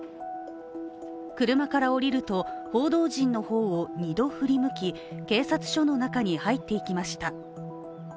車から降りると報道陣の方を２度振り向き警察署の中に入っていきました。